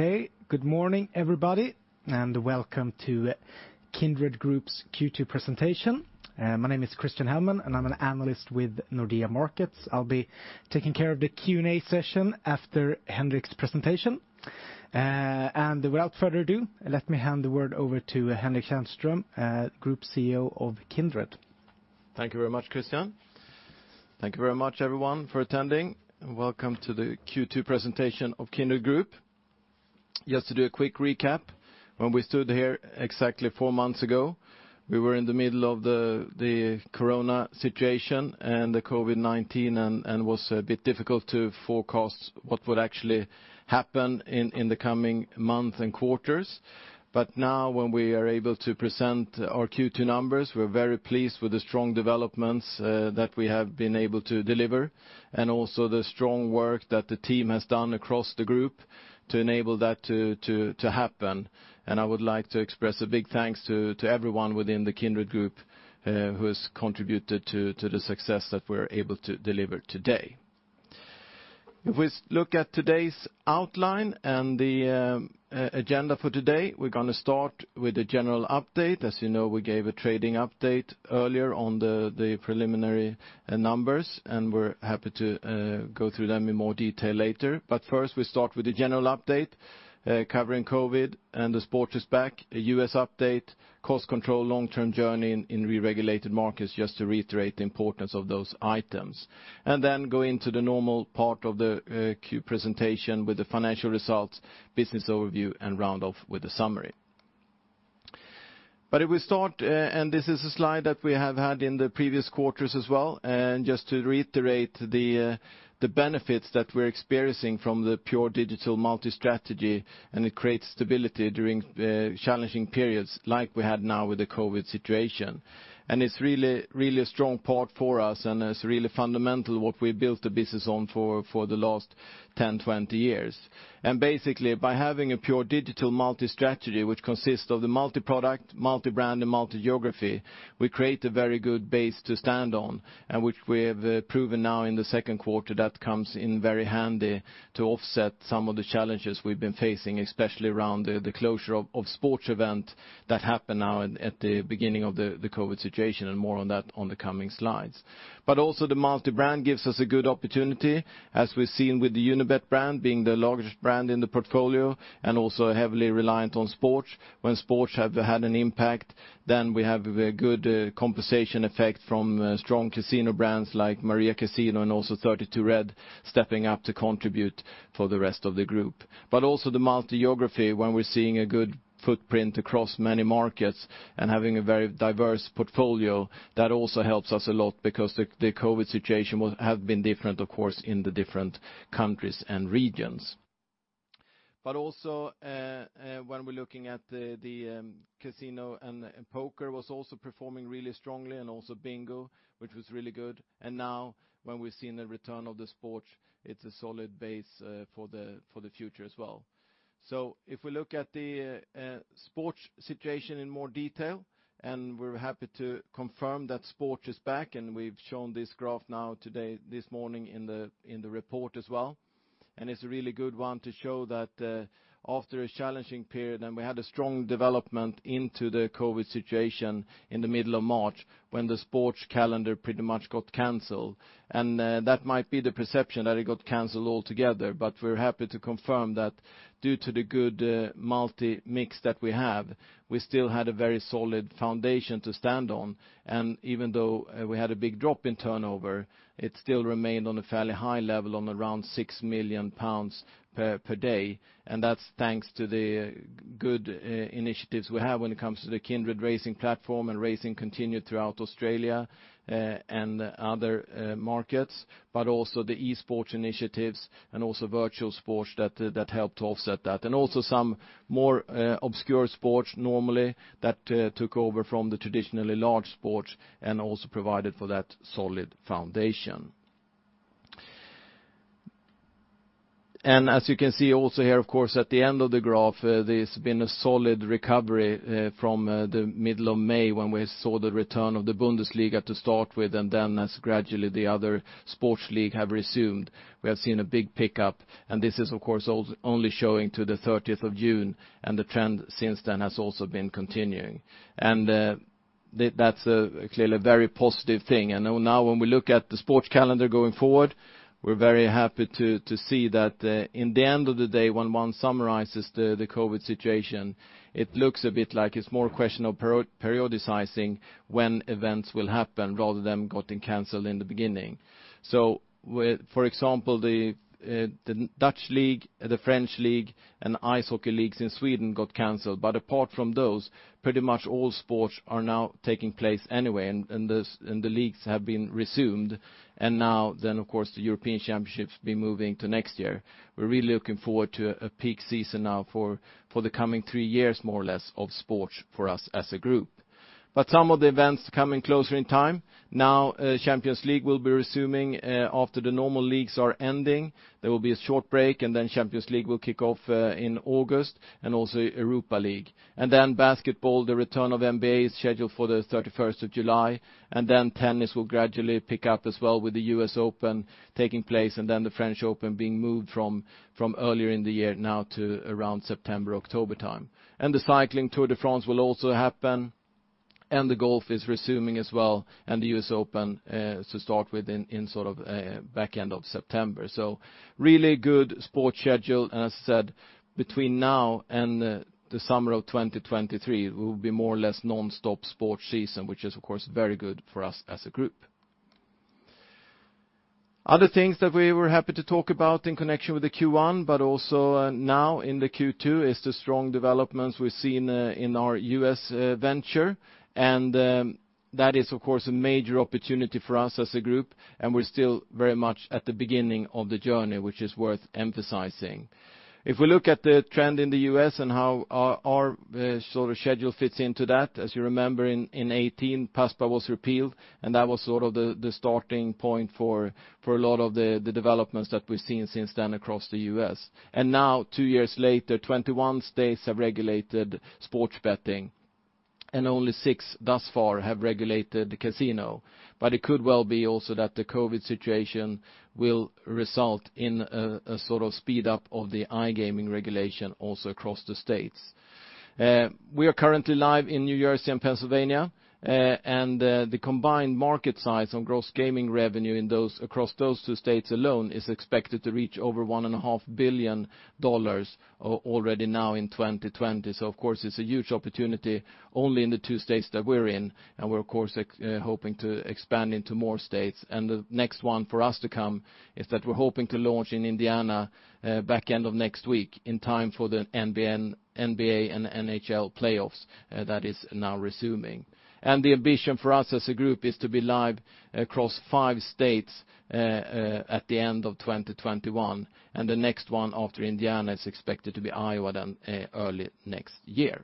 Okay. Good morning, everybody, and welcome to Kindred Group's Q2 presentation. My name is Christian Hellman, and I'm an analyst with Nordea Markets. I'll be taking care of the Q&A session after Henrik's presentation. Without further ado, let me hand the word over to Henrik Tjärnström, Group CEO of Kindred. Thank you very much, Christian. Thank you very much, everyone, for attending. Welcome to the Q2 presentation of Kindred Group. Just to do a quick recap, when we stood here exactly four months ago, we were in the middle of the COVID-19 situation, and it was a bit difficult to forecast what would actually happen in the coming months and quarters. Now, when we are able to present our Q2 numbers, we're very pleased with the strong developments that we have been able to deliver, and also the strong work that the team has done across the group to enable that to happen. I would like to express a big thanks to everyone within the Kindred Group who has contributed to the success that we're able to deliver today. If we look at today's outline and the agenda for today, we're going to start with a general update. As you know, we gave a trading update earlier on the preliminary numbers, and we're happy to go through them in more detail later. First, we start with the general update, covering COVID and the sport is back, a U.S. update, cost control, long-term journey in re-regulated markets, just to reiterate the importance of those items. Then go into the normal part of the Q presentation with the financial results, business overview, and round off with the summary. If we start, and this is a slide that we have had in the previous quarters as well, just to reiterate the benefits that we're experiencing from the pure digital multi-strategy, and it creates stability during challenging periods like we had now with the COVID situation. It's really a strong part for us, and it's really fundamental what we built the business on for the last 10, 20 years. Basically, by having a pure digital multi-strategy, which consists of the multi-product, multi-brand, and multi-geography, we create a very good base to stand on, and which we have proven now in the second quarter that comes in very handy to offset some of the challenges we've been facing, especially around the closure of sports event that happened now at the beginning of the COVID-19 situation. More on that on the coming slides. Also the multi-brand gives us a good opportunity, as we've seen with the Unibet brand being the largest brand in the portfolio and also heavily reliant on sports. When sports have had an impact, then we have a good compensation effect from strong Casino brands like Maria Casino and also 32Red stepping up to contribute for the rest of the group. Also the multi-geography, when we're seeing a good footprint across many markets and having a very diverse portfolio, that also helps us a lot because the COVID situation will have been different, of course, in the different countries and regions. Also when we're looking at the Casino and poker was also performing really strongly and also bingo, which was really good. Now when we're seeing the return of the sports, it's a solid base for the future as well. If we look at the sports situation in more detail, and we're happy to confirm that sport is back, and we've shown this graph now today, this morning in the report as well. It's a really good one to show that after a challenging period, we had a strong development into the COVID situation in the middle of March when the sports calendar pretty much got canceled. That might be the perception that it got canceled altogether, but we're happy to confirm that due to the good multi-mix that we have, we still had a very solid foundation to stand on. Even though we had a big drop in turnover, it still remained on a fairly high level on around 6 million pounds per day. That's thanks to the good initiatives we have when it comes to the Kindred Racing Platform and racing continued throughout Australia and other markets, but also the esports initiatives and also virtual sports that helped to offset that. Also some more obscure sports normally that took over from the traditionally large sports and also provided for that solid foundation. As you can see also here, of course, at the end of the graph, there's been a solid recovery from the middle of May when we saw the return of the Bundesliga to start with, and then as gradually the other sports league have resumed, we have seen a big pickup. This is, of course, only showing to the 30th of June, and the trend since then has also been continuing. That's clearly a very positive thing. Now when we look at the sports calendar going forward, we're very happy to see that in the end of the day, when one summarizes the COVID-19 situation, it looks a bit like it's more a question of periodicizing when events will happen rather than getting canceled in the beginning. For example, the Eredivisie, the French league, and ice hockey leagues in Sweden got canceled. Apart from those, pretty much all sports are now taking place anyway, and the leagues have been resumed. Now then, of course, the UEFA European Championship be moving to next year. We're really looking forward to a peak season now for the coming three years, more or less, of sports for us as a group. Some of the events coming closer in time. Now, UEFA Champions League will be resuming after the normal leagues are ending. There will be a short break, and then Champions League will kick off in August, and also Europa League. Basketball, the return of NBA is scheduled for the 31st of July. Tennis will gradually pick up as well with the US Open taking place, and then the French Open being moved from earlier in the year now to around September, October time. The cycling Tour de France will also happen. The golf is resuming as well, and the US Open to start with in back end of September. Really good sports schedule. As I said, between now and the summer of 2023, it will be more or less nonstop sports season, which is, of course, very good for us as a group. Other things that we were happy to talk about in connection with the Q1, but also now in the Q2, is the strong developments we've seen in our U.S. venture. That is, of course, a major opportunity for us as a group, and we're still very much at the beginning of the journey, which is worth emphasizing. If we look at the trend in the U.S. and how our schedule fits into that, as you remember, in 2018, PASPA was repealed, and that was the starting point for a lot of the developments that we've seen since then across the U.S. Now, two years later, 21 states have regulated sports betting, and only six thus far have regulated the Casino. It could well be also that the COVID-19 situation will result in a speed-up of the iGaming regulation also across the states. We are currently live in New Jersey and Pennsylvania. The combined market size on gross gaming revenue across those two states alone is expected to reach over $1.5 billion already now in 2020. Of course, it's a huge opportunity only in the two states that we're in, and we're of course hoping to expand into more states. The next one for us to come is that we're hoping to launch in Indiana back end of next week in time for the NBA and NHL playoffs that is now resuming. The ambition for us as a group is to be live across five states at the end of 2021, and the next one after Indiana is expected to be Iowa then early next year.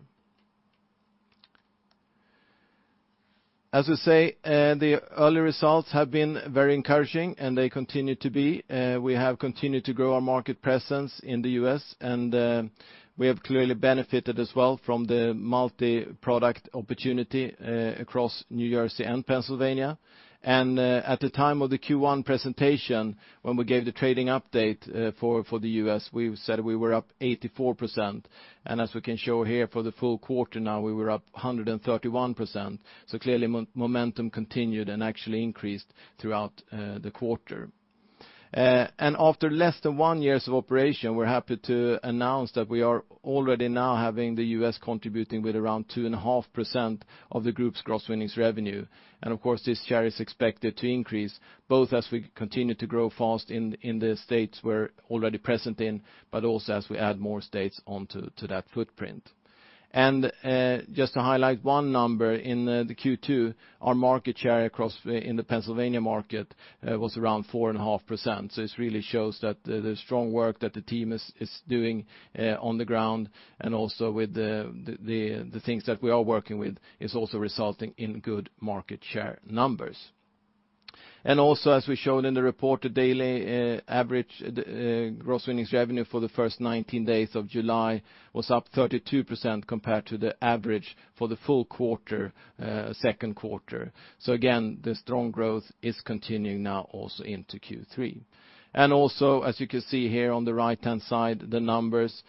As we say, the early results have been very encouraging, and they continue to be. We have continued to grow our market presence in the U.S., and we have clearly benefited as well from the multi-product opportunity across New Jersey and Pennsylvania. At the time of the Q1 presentation, when we gave the trading update for the U.S., we said we were up 84%. As we can show here for the full quarter now, we were up 131%. Clearly, momentum continued and actually increased throughout the quarter. After less than one year of operation, we're happy to announce that we are already now having the U.S. contributing with around 2.5% of the group's gross winnings revenue. Of course, this share is expected to increase both as we continue to grow fast in the states we're already present in, but also as we add more states onto that footprint. Just to highlight one number, in the Q2, our market share in the Pennsylvania market was around 4.5%. This really shows that the strong work that the team is doing on the ground and also with the things that we are working with is also resulting in good market share numbers. Also, as we showed in the report, the daily average gross winnings revenue for the first 19 days of July was up 32% compared to the average for the full second quarter. Again, the strong growth is continuing now also into Q3. Also, as you can see here on the right-hand side, the numbers,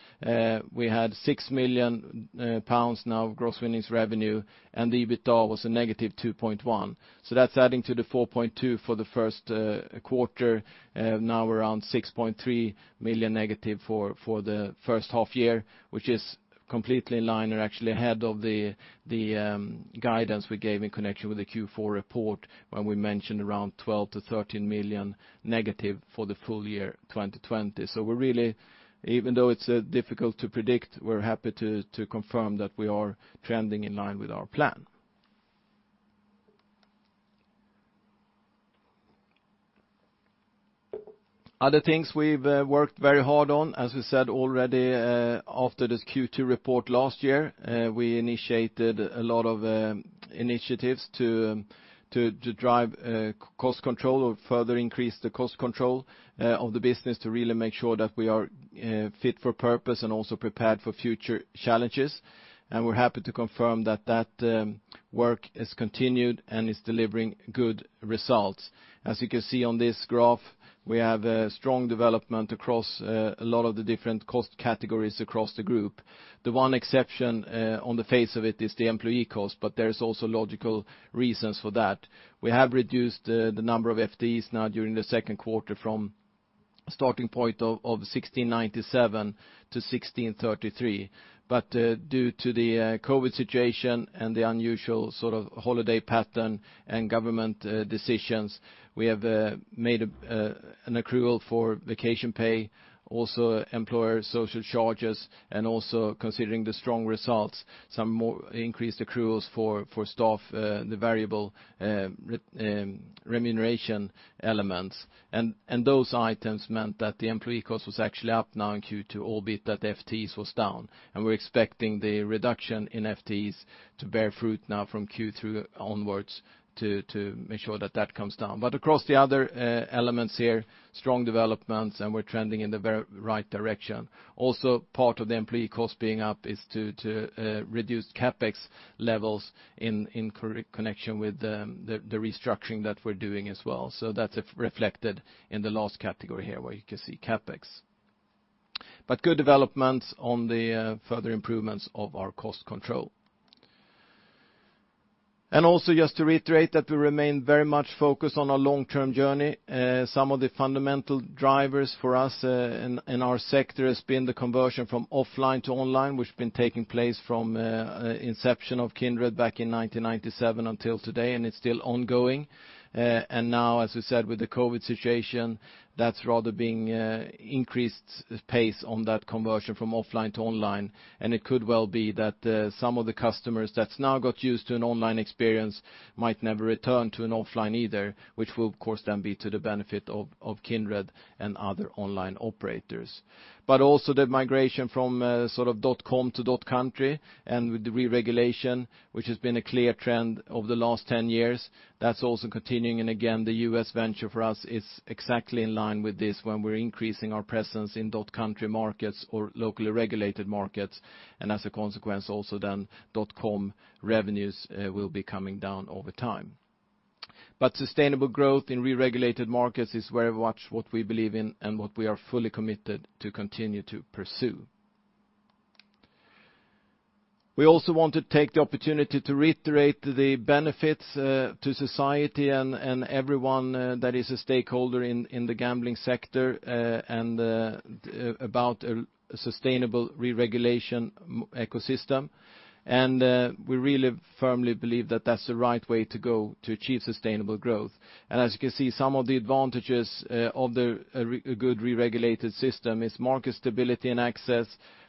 we had 6 million pounds now of gross winnings revenue, and the EBITDA was a negative 2.1. That's adding to the 4.2 for the first quarter, now around 6.3 million negative for the first half year, which is completely in line or actually ahead of the guidance we gave in connection with the Q4 report when we mentioned around 12 million-13 million negative for the full-year 2020. Even though it's difficult to predict, we're happy to confirm that we are trending in line with our plan. Other things we've worked very hard on, as we said already after this Q2 report last year, we initiated a lot of initiatives to drive cost control or further increase the cost control of the business to really make sure that we are fit for purpose and also prepared for future challenges. We're happy to confirm that that work has continued and is delivering good results. As you can see on this graph, we have a strong development across a lot of the different cost categories across the group. The one exception on the face of it is the employee cost, but there's also logical reasons for that. We have reduced the number of FTEs now during the second quarter from starting point of 1,697 - 1,633. Due to the COVID-19 situation and the unusual holiday pattern and government decisions, we have made an accrual for vacation pay, also employer social charges, and also considering the strong results, some more increased accruals for staff, the variable remuneration elements. Those items meant that the employee cost was actually up now in Q2, albeit that FTEs was down. We're expecting the reduction in FTEs to bear fruit now from Q3 onwards to make sure that that comes down. Across the other elements here, strong developments, and we're trending in the very right direction. Part of the employee cost being up is to reduce CapEx levels in connection with the restructuring that we're doing as well. That's reflected in the last category here where you can see CapEx. Good developments on the further improvements of our cost control. Just to reiterate that we remain very much focused on our long-term journey. Some of the fundamental drivers for us in our sector has been the conversion from offline to online, which has been taking place from inception of Kindred back in 1997 until today, and it's still ongoing. Now, as we said, with the COVID-19 situation, that's rather being increased pace on that conversion from offline to online, and it could well be that some of the customers that's now got used to an online experience might never return to an offline either, which will, of course, then be to the benefit of Kindred and other online operators. Also the migration from .com to .country and with the re-regulation, which has been a clear trend over the last 10 years, that's also continuing. Again, the U.S. venture for us is exactly in line with this when we're increasing our presence in .country markets or locally regulated markets. As a consequence, also then .com revenues will be coming down over time. Sustainable growth in re-regulated markets is very much what we believe in and what we are fully committed to continue to pursue. We also want to take the opportunity to reiterate the benefits to society and everyone that is a stakeholder in the gambling sector and about a sustainable re-regulation ecosystem. We really firmly believe that that's the right way to go to achieve sustainable growth. As you can see, some of the advantages of a good re-regulated system is market stability and access,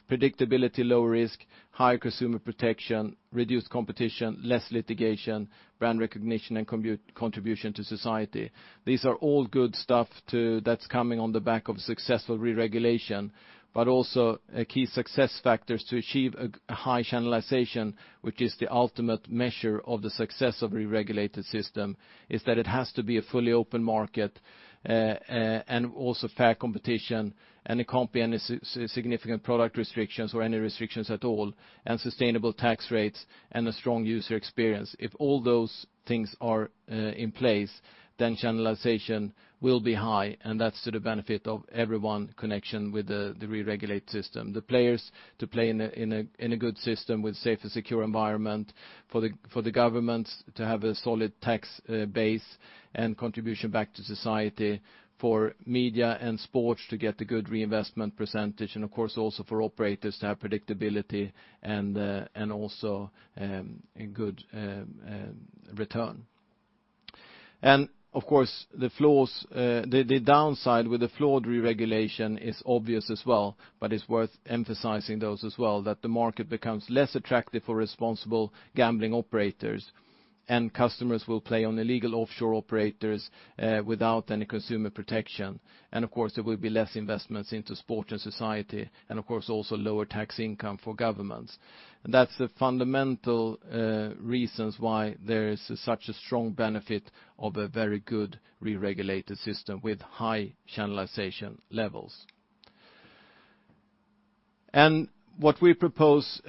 predictability, low risk, high consumer protection, reduced competition, less litigation, brand recognition, and contribution to society. These are all good stuff that's coming on the back of successful re-regulation, but also key success factors to achieve a high channelization, which is the ultimate measure of the success of re-regulated system, is that it has to be a fully open market and also fair competition. There can't be any significant product restrictions or any restrictions at all and sustainable tax rates and a strong user experience. If all those things are in place, then channelization will be high, and that's to the benefit of everyone connection with the re-regulate system. The players to play in a good system with safe and secure environment, for the governments to have a solid tax base and contribution back to society, for media and sports to get a good reinvestment percentage, and of course, also for operators to have predictability and also a good return. Of course, the downside with the flawed re-regulation is obvious as well, but it's worth emphasizing those as well, that the market becomes less attractive for responsible gambling operators and customers will play on illegal offshore operators without any consumer protection. Of course, there will be less investments into sport and society and, of course, also lower tax income for governments. That's the fundamental reasons why there is such a strong benefit of a very good re-regulated system with high channelization levels. What we propose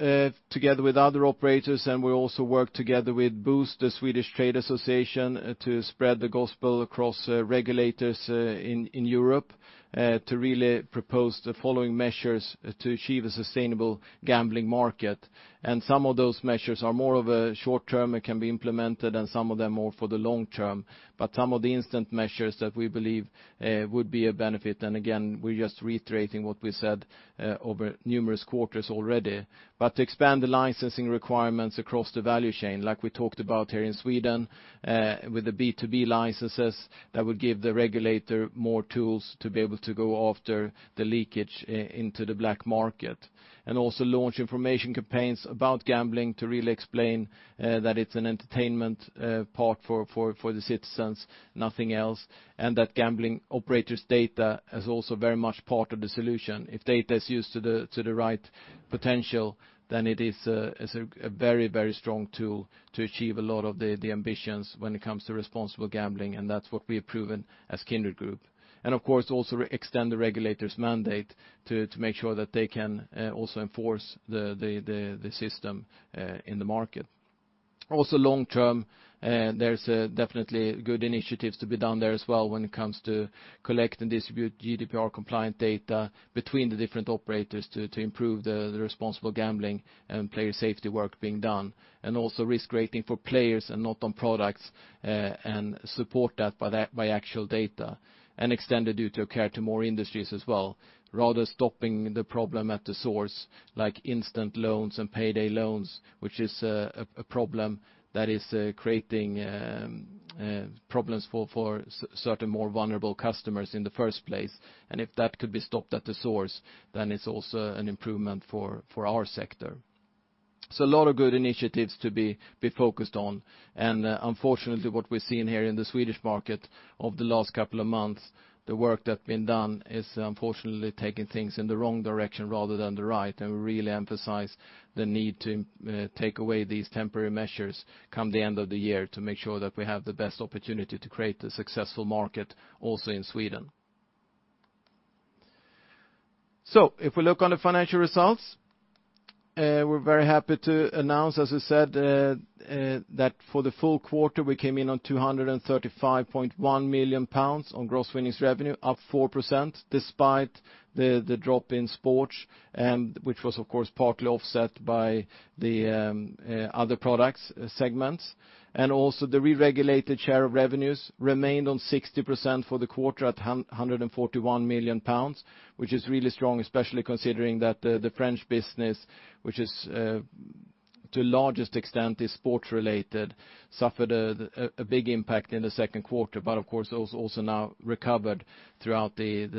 together with other operators, and we also work together with BOS, the Swedish Trade Association, to spread the gospel across regulators in Europe to really propose the following measures to achieve a sustainable gambling market. Some of those measures are more of a short-term and can be implemented and some of them are for the long-term, some of the instant measures that we believe would be a benefit. Again, we're just reiterating what we said over numerous quarters already. To expand the licensing requirements across the value chain, like we talked about here in Sweden with the B2B licenses, that would give the regulator more tools to be able to go after the leakage into the black market. Launch information campaigns about gambling to really explain that it's an entertainment part for the citizens, nothing else, and that gambling operators data is also very much part of the solution. If data is used to the right potential, then it is a very strong tool to achieve a lot of the ambitions when it comes to responsible gambling, and that's what we have proven as Kindred Group. Of course, also extend the regulators mandate to make sure that they can also enforce the system in the market. Long-term, there's definitely good initiatives to be done there as well when it comes to collect and distribute GDPR compliant data between the different operators to improve the responsible gambling and player safety work being done. Risk rating for players and not on products and support that by actual data and extend the duty of care to more industries as well, rather stopping the problem at the source like instant loans and payday loans, which is a problem that is creating problems for certain more vulnerable customers in the first place. If that could be stopped at the source, it's also an improvement for our sector. A lot of good initiatives to be focused on. Unfortunately, what we're seeing here in the Swedish market of the last couple of months, the work that been done is unfortunately taking things in the wrong direction rather than the right, and we really emphasize the need to take away these temporary measures come the end of the year to make sure that we have the best opportunity to create a successful market also in Sweden. If we look on the financial results. We're very happy to announce, as I said, that for the full quarter, we came in on 235.1 million pounds on gross winnings revenue, up 4%, despite the drop in sports, which was, of course, partly offset by the other products segments. Also, the re-regulated share of revenues remained on 60% for the quarter at 141 million pounds, which is really strong, especially considering that the French business, which is to largest extent is sports-related, suffered a big impact in the second quarter, but of course, also now recovered throughout the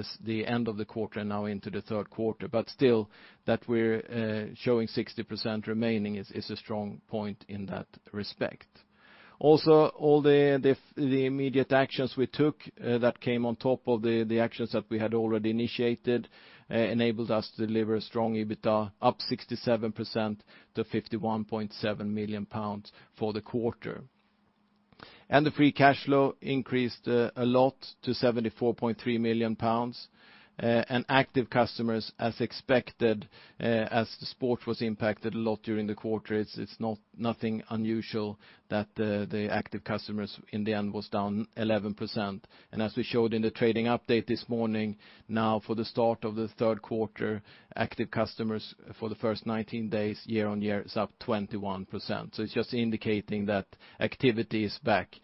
end of the quarter and now into the third quarter. Still, that we're showing 60% remaining is a strong point in that respect. Also, all the immediate actions we took that came on top of the actions that we had already initiated, enabled us to deliver a strong EBITDA, up 67% to 51.7 million pounds for the quarter. The free cash flow increased a lot to 74.3 million pounds. Active customers, as expected, as the sport was impacted a lot during the quarter, it's nothing unusual that the active customers in the end was down 11%. As we showed in the trading update this morning, now for the start of the third quarter, active customers for the first 19 days year-on-year is up 21%. It's just indicating that activity is back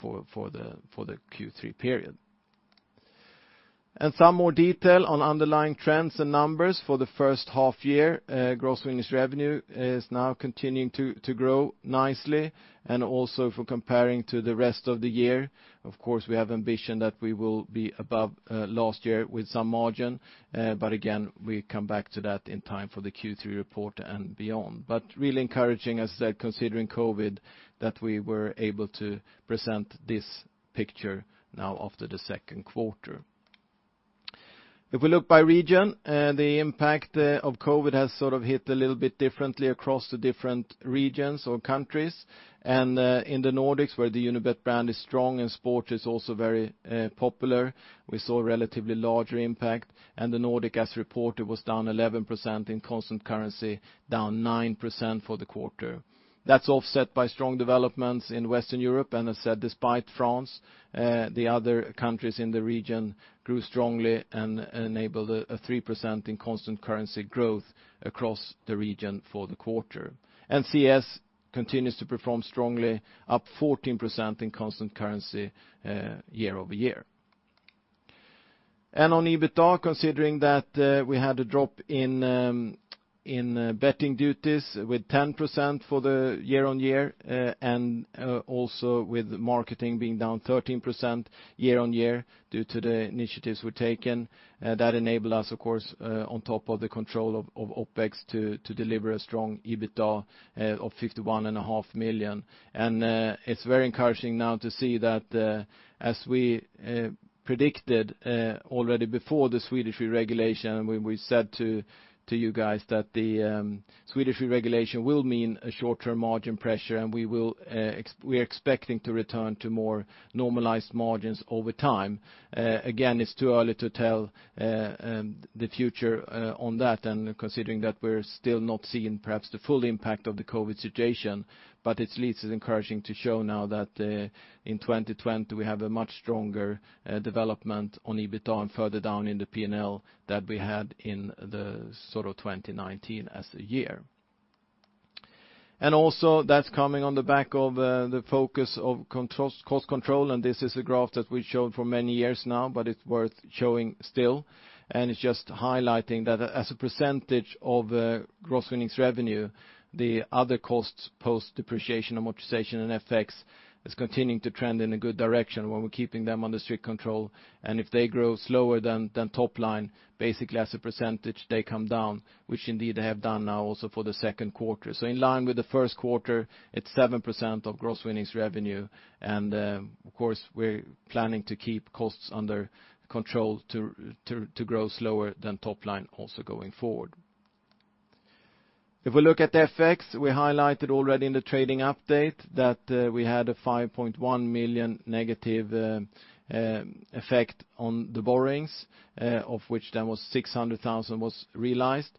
for the Q3 period. Some more detail on underlying trends and numbers for the first half year. Gross winnings revenue is now continuing to grow nicely, and also for comparing to the rest of the year. Of course, we have ambition that we will be above last year with some margin. Again, we come back to that in time for the Q3 report and beyond. Really encouraging, as I said, considering COVID, that we were able to present this picture now after the second quarter. If we look by region, the impact of COVID has sort of hit a little bit differently across the different regions or countries. In the Nordics, where the Unibet brand is strong and sport is also very popular, we saw a relatively larger impact. The Nordic, as reported, was down 11% in constant currency, down 9% for the quarter. That's offset by strong developments in Western Europe, as said, despite France, the other countries in the region grew strongly and enabled a 3% in constant currency growth across the region for the quarter. CES continues to perform strongly, up 14% in constant currency year-over-year. On EBITDA, considering that we had a drop in betting duties with 10% for the year-on-year, also with marketing being down 13% year-on-year due to the initiatives we taken, that enabled us, of course, on top of the control of OpEx, to deliver a strong EBITDA of 51.5 million. It's very encouraging now to see that, as we predicted already before the Swedish re-regulation, when we said to you guys that the Swedish re-regulation will mean a short-term margin pressure, we are expecting to return to more normalized margins over time. It's too early to tell the future on that, considering that we're still not seeing perhaps the full impact of the COVID-19 situation, but at least it's encouraging to show now that in 2020, we have a much stronger development on EBITDA and further down in the P&L than we had in the sort of 2019 as a year. Also, that's coming on the back of the focus of cost control, this is a graph that we've shown for many years now, but it's worth showing still. It's just highlighting that as a percentage of gross winnings revenue, the other costs, post depreciation, amortization, and FX, is continuing to trend in a good direction when we're keeping them under strict control. If they grow slower than top line, basically as a percentage, they come down, which indeed they have done now also for the second quarter. In line with the first quarter, it's 7% of gross winnings revenue. Of course, we're planning to keep costs under control to grow slower than top line also going forward. If we look at FX, we highlighted already in the trading update that we had a 5.1 million negative effect on the borrowings, of which then was 600,000 was realized.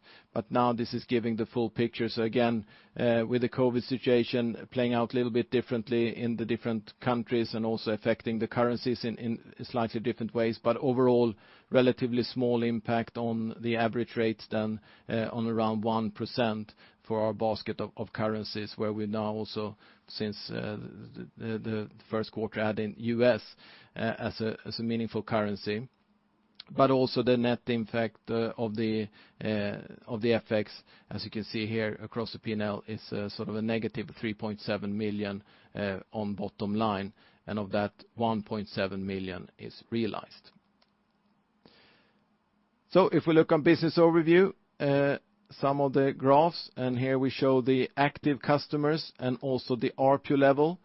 Now this is giving the full picture. Again, with the COVID-19 situation playing out a little bit differently in the different countries and also affecting the currencies in slightly different ways, but overall, relatively small impact on the average rates then on around 1% for our basket of currencies, where we now also, since the first quarter, add in U.S. as a meaningful currency. Also the net impact of the FX, as you can see here across the P&L, is sort of a negative 3.7 million on bottom line, and of that, 1.7 million is realized. If we look on business overview, some of the graphs, and here we show the active customers and also the ARPU level.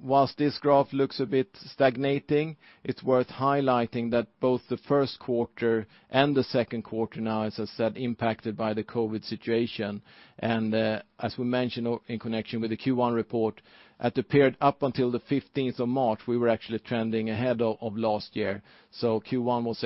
Whilst this graph looks a bit stagnating, it's worth highlighting that both the first quarter and the second quarter now, as I said, impacted by the COVID-19 situation. As we mentioned in connection with the Q1 report, at the period up until the 15th of March, we were actually trending ahead of last year. Q1 was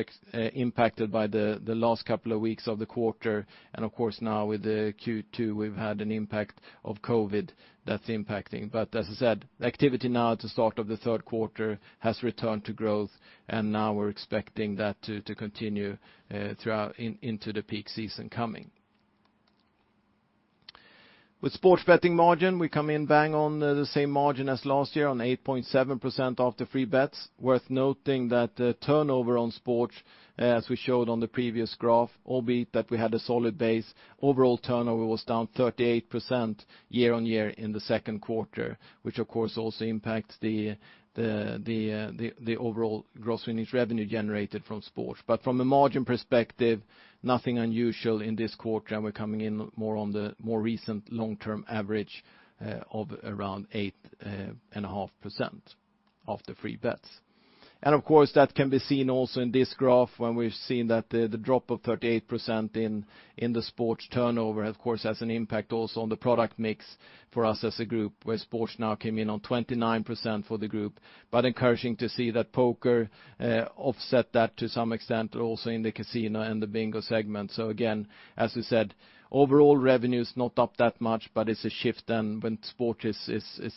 impacted by the last couple of weeks of the quarter. Of course, now with the Q2, we've had an impact of COVID-19 that's impacting. As I said, activity now at the start of the third quarter has returned to growth, and now we're expecting that to continue into the peak season coming. With sports betting margin, we come in bang on the same margin as last year on 8.7% after free bets. Worth noting that turnover on sports, as we showed on the previous graph, albeit that we had a solid base, overall turnover was down 38% year-on-year in the second quarter, which of course also impacts the overall gross winnings revenue generated from sports. From a margin perspective, nothing unusual in this quarter, and we're coming in more on the more recent long-term average of around 8.5% of the free bets. That can be seen also in this graph when we've seen that the drop of 38% in the sports turnover, of course, has an impact also on the product mix for us as a group, where sports now came in on 29% for the group. Encouraging to see that poker offset that to some extent, also in the Casino and the bingo segment. Again, as we said, overall revenue's not up that much, but it's a shift then when sport is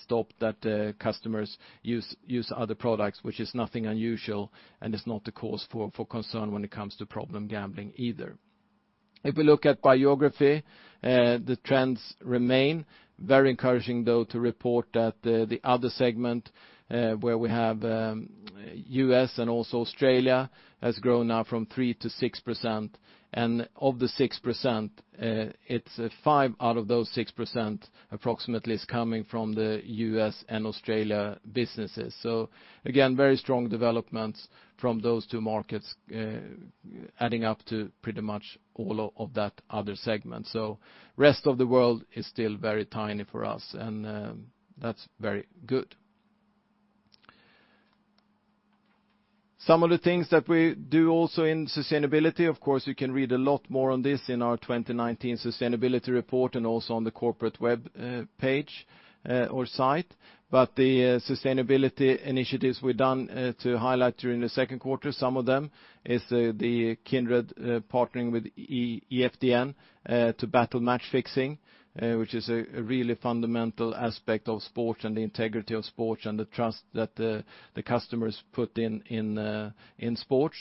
stopped that customers use other products, which is nothing unusual and is not a cause for concern when it comes to problem gambling either. If we look at geography, the trends remain. Very encouraging though to report that the other segment, where we have U.S. and also Australia, has grown now from 3% - 6%. Of the 6%, it's five out of those 6% approximately is coming from the U.S. and Australia businesses. Again, very strong developments from those two markets, adding up to pretty much all of that other segment. Rest of the world is still very tiny for us, and that's very good. Some of the things that we do also in sustainability, of course, you can read a lot more on this in our 2019 sustainability report and also on the corporate webpage, or site. The sustainability initiatives we've done to highlight during the second quarter, some of them is the Kindred partnering with EFDN to battle match fixing, which is a really fundamental aspect of sport and the integrity of sports and the trust that the customers put in sports.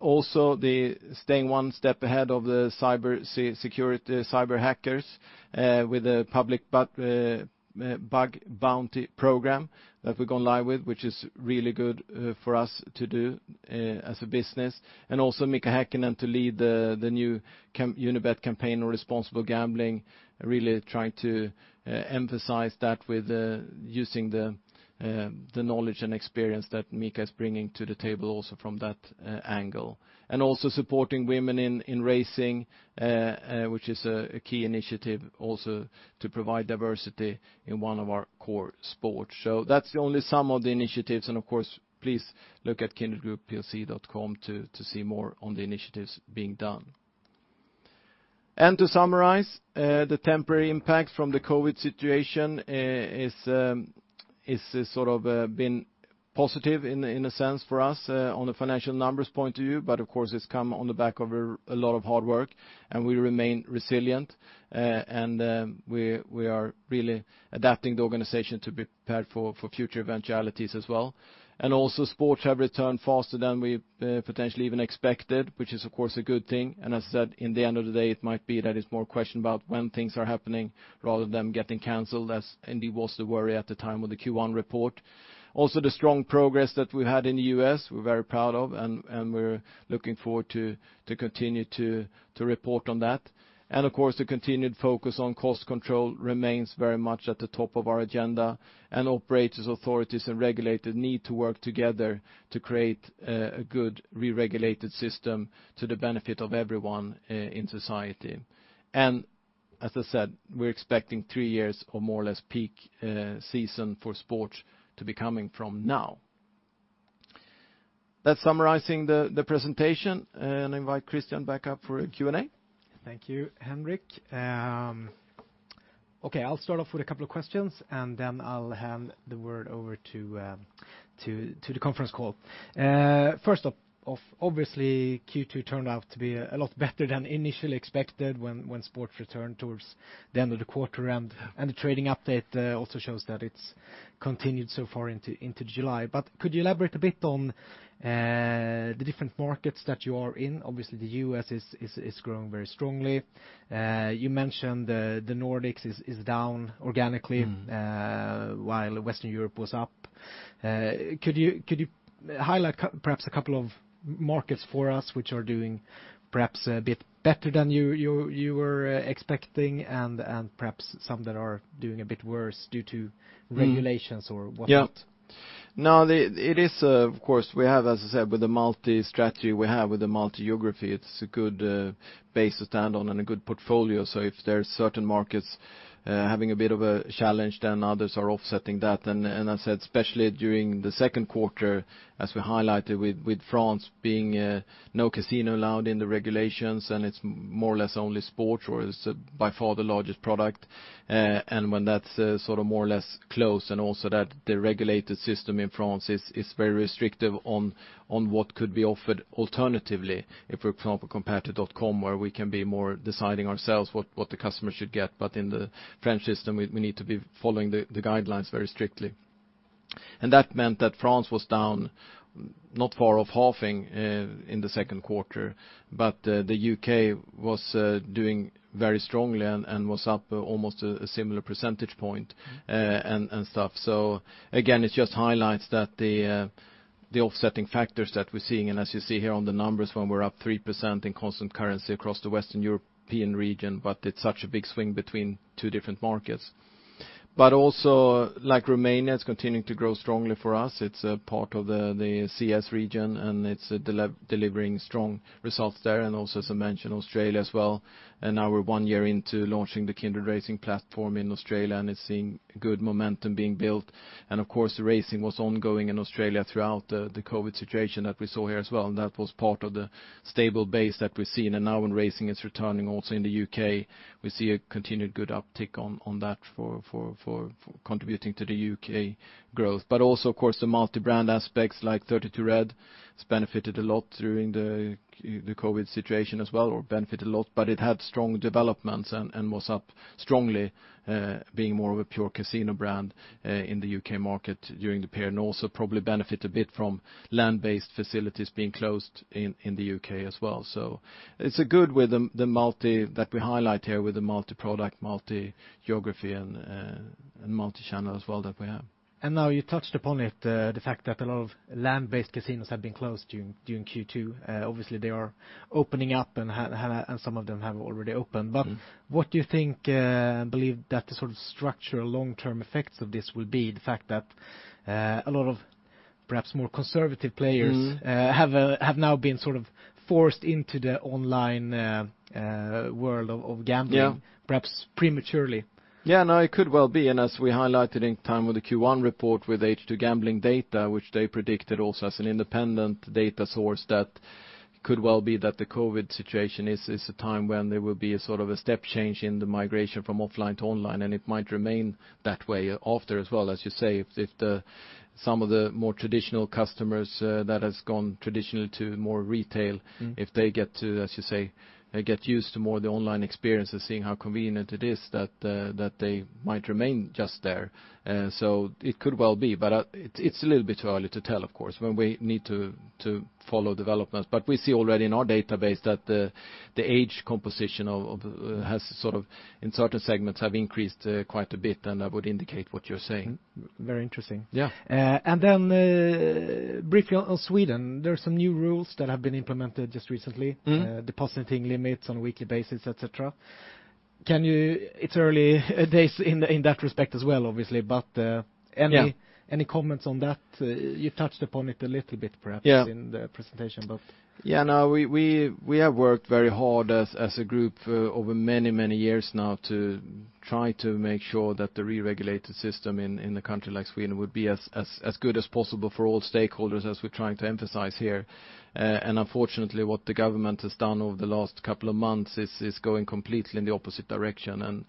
The staying one step ahead of the cybersecurity cyber hackers with a public bug bounty program that we've gone live with, which is really good for us to do as a business. Mika Häkkinen to lead the new Unibet campaign on responsible gambling, really trying to emphasize that with using the knowledge and experience that Mika is bringing to the table also from that angle. Supporting women in racing, which is a key initiative also to provide diversity in one of our core sports. That's only some of the initiatives, and of course, please look at kindredgroupplc.com to see more on the initiatives being done. To summarize, the temporary impact from the COVID-19 situation is been positive in a sense for us on a financial numbers point of view. Of course, it's come on the back of a lot of hard work, and we remain resilient. We are really adapting the organization to be prepared for future eventualities as well. Also sports have returned faster than we potentially even expected, which is, of course, a good thing. As I said, in the end of the day, it might be that it's more a question about when things are happening rather than getting canceled, as indeed was the worry at the time of the Q1 report. The strong progress that we had in the U.S., we're very proud of, and we're looking forward to continue to report on that. Of course, the continued focus on cost control remains very much at the top of our agenda, and operators, authorities, and regulators need to work together to create a good re-regulated system to the benefit of everyone in society. As I said, we're expecting three years of more or less peak season for sports to be coming from now. That's summarizing the presentation. Invite Christian back up for a Q&A. Thank you, Henrik. Okay, I'll start off with a couple of questions, and then I'll hand the word over to the conference call. First off, obviously, Q2 turned out to be a lot better than initially expected when sports returned towards the end of the quarter, and the trading update also shows that it's continued so far into July. Could you elaborate a bit on the different markets that you are in? Obviously, the U.S. is growing very strongly. You mentioned the Nordics is down organically- while Western Europe was up. Could you highlight perhaps a couple of markets for us which are doing perhaps a bit better than you were expecting and perhaps some that are doing a bit worse due to regulations or whatnot? Now, it is, of course, we have, as I said, with the multi-strategy we have, with the multi-geography, it's a good base to stand on and a good portfolio. If there are certain markets having a bit of a challenge, then others are offsetting that. As I said, especially during the second quarter, as we highlighted with France being no Casino allowed in the regulations, and it's more or less only sports, or it's by far the largest product. When that's more or less closed, and also that the regulated system in France is very restrictive on what could be offered alternatively. If we compare to .com, where we can be more deciding ourselves what the customer should get. In the French system, we need to be following the guidelines very strictly. That meant that France was down not far off halving in the second quarter, but the U.K. was doing very strongly and was up almost a similar percentage point and stuff. Again, it just highlights the offsetting factors that we're seeing, and as you see here on the numbers when we're up 3% in constant currency across the Western European region, but it's such a big swing between two different markets. Also Romania is continuing to grow strongly for us. It's a part of the CES region, and it's delivering strong results there. Also, as I mentioned, Australia as well. Now we're one year into launching the Kindred Racing Platform in Australia, and it's seeing good momentum being built. Of course, racing was ongoing in Australia throughout the COVID-19 situation that we saw here as well. That was part of the stable base that we're seeing. Now when racing is returning also in the U.K., we see a continued good uptick on that for contributing to the U.K. growth. Also, of course, the multi-brand aspects like 32Red has benefited a lot during the COVID-19 situation as well, but it had strong developments and was up strongly being more of a pure Casino brand in the U.K. market during the period. Also probably benefit a bit from land-based facilities being closed in the U.K. as well. It's a good with the multi that we highlight here with the multi-product, multi-geography and multi-channel as well that we have. Now you touched upon it, the fact that a lot of land-based casinos have been closed during Q2. Obviously, they are opening up and some of them have already opened. What do you think, believe that the sort of structural long-term effects of this will be, the fact that a lot of perhaps more conservative players. have now been sort of forced into the online world of gambling. Yeah perhaps prematurely? Yeah, no, it could well be. As we highlighted in time with the Q1 report with H2 Gambling Capital, which they predicted also as an independent data source that could well be that the COVID-19 situation is a time when there will be a sort of a step change in the migration from offline to online, and it might remain that way after as well. As you say, if some of the more traditional customers that has gone traditionally to more retail-. If they get to, as you say, get used to more of the online experience and seeing how convenient it is that they might remain just there. It could well be, but it's a little bit early to tell, of course, when we need to follow developments. We see already in our database that the age composition in certain segments have increased quite a bit, and that would indicate what you're saying. Very interesting. Yeah. Briefly on Sweden, there are some new rules that have been implemented just recently. Depositing limits on a weekly basis, et cetera. It's early days in that respect as well, obviously. Yeah any comments on that? You touched upon it a little bit. Yeah in the presentation, but. Yeah, no, we have worked very hard as a group over many, many years now to try to make sure that the re-regulated system in a country like Sweden would be as good as possible for all stakeholders as we're trying to emphasize here. Unfortunately, what the government has done over the last couple of months is going completely in the opposite direction.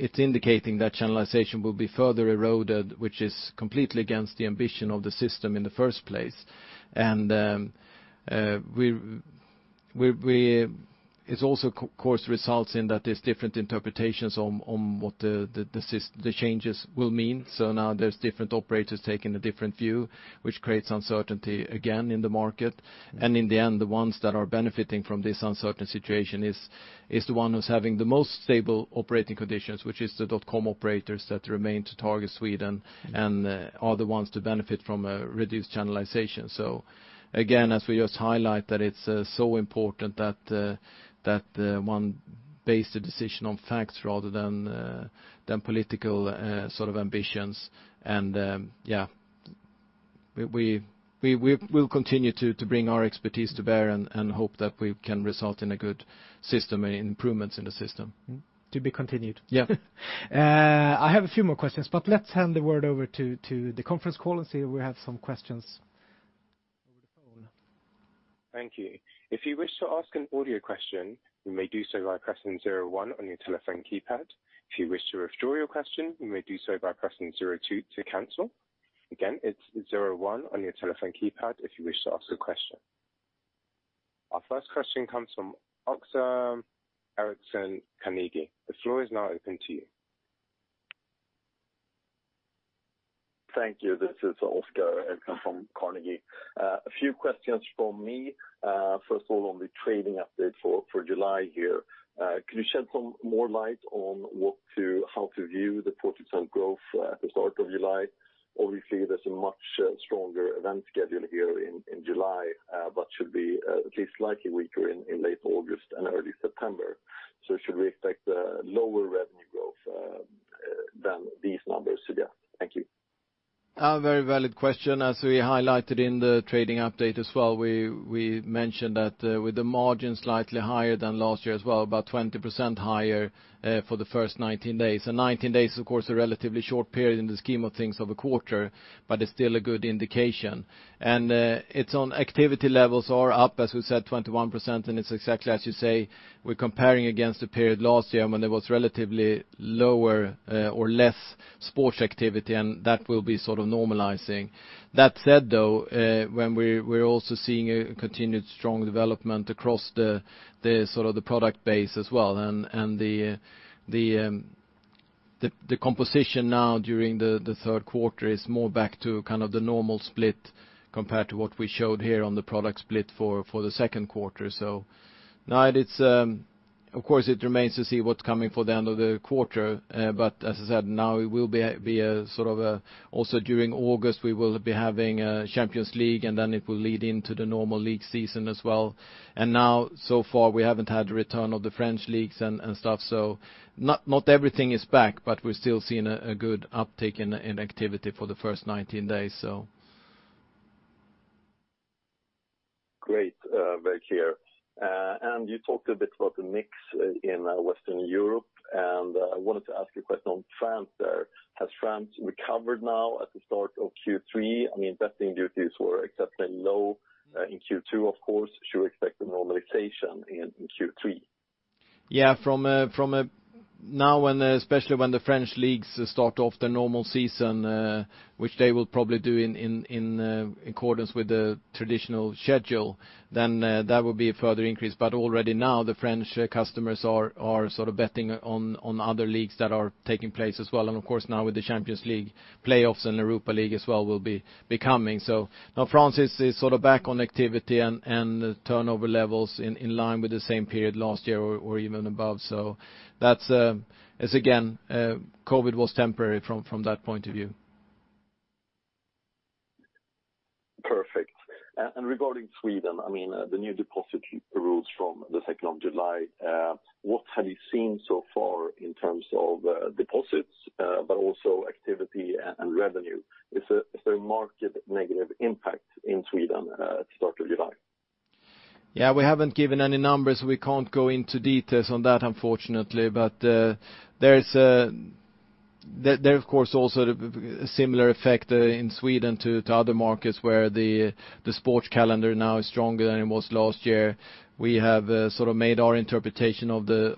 It's indicating that channelization will be further eroded, which is completely against the ambition of the system in the first place. It also, of course, results in that there's different interpretations on what the changes will mean. Now there's different operators taking a different view, which creates uncertainty again in the market. In the end, the ones that are benefiting from this uncertain situation is the one who's having the most stable operating conditions, which is the .com operators that remain to target Sweden and are the ones to benefit from a reduced channelization. Again, as we just highlight that it's so important that one base the decision on facts rather than political sort of ambitions. We'll continue to bring our expertise to bear and hope that we can result in a good system and improvements in the system. To be continued. Yeah. I have a few more questions, but let's hand the word over to the conference call and see if we have some questions over the phone. Thank you. If you wish to ask an audio question, you may do so by pressing zero one on your telephone keypad. If you wish to withdraw your question, you may do so by pressing zero two to cancel. Again, it's zero one on your telephone keypad if you wish to ask a question. Our first question comes from Oskar Eriksson, Carnegie. The floor is now open to you. Thank you. This is Oskar Eriksson from Carnegie. A few questions from me. First of all, on the trading update for July here. Can you shed some more light on how to view the 40% growth at the start of July? Obviously, there's a much stronger event schedule here in July, but should be at least slightly weaker in late August and early September. Should we expect lower revenue growth than these numbers? Yeah. Thank you. A very valid question. As we highlighted in the trading update as well, we mentioned that with the margin slightly higher than last year as well, about 20% higher for the first 19 days. 19 days, of course, a relatively short period in the scheme of things of a quarter, but it's still a good indication. It's on activity levels are up, as we said, 21%, it's exactly as you say, we're comparing against a period last year when there was relatively lower or less sports activity, that will be sort of normalizing. That said, though, we're also seeing a continued strong development across the sort of the product base as well, The composition now during the third quarter is more back to the normal split compared to what we showed here on the product split for the second quarter. Now, of course, it remains to see what's coming for the end of the quarter. As I said, now it will be sort of also during August, we will be having a Champions League, and then it will lead into the normal league season as well. Now, so far, we haven't had the return of the French leagues and stuff. Not everything is back, but we're still seeing a good uptick in activity for the first 19 days. Great. Veit here. You talked a bit about the mix in Western Europe, and I wanted to ask you a question on France there. Has France recovered now at the start of Q3? I mean, betting duties were exceptionally low in Q2, of course. Should we expect a normalization in Q3? Yeah, from now, especially when the French leagues start off their normal season, which they will probably do in accordance with the traditional schedule, then that would be a further increase. Already now the French customers are sort of betting on other leagues that are taking place as well. Of course, now with the Champions League playoffs and Europa League as well will be coming. Now France is sort of back on activity and turnover levels in line with the same period last year or even above. That's, again, COVID was temporary from that point of view. Regarding Sweden, I mean, the new deposit rules from the 2nd of July, what have you seen so far in terms of deposits, but also activity and revenue? Is there a marked negative impact in Sweden at the start of July? Yeah, we haven't given any numbers. We can't go into details on that, unfortunately. There's, of course, also a similar effect in Sweden to other markets where the sports calendar now is stronger than it was last year. We have sort of made our interpretation of the